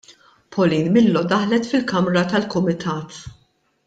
Pauline Millo daħlet fil-Kamra tal-Kumitat.